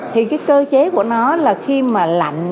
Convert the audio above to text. thì cái cơ chế của nó là khi mà lạnh